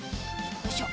よいしょ。